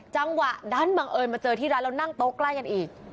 จังหวะนั้นบังเอิญมาเจอที่ร้านแล้วนั่งโต๊ะใกล้กันอีก